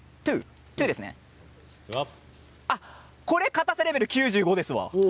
かたさレベルが９５ですわ。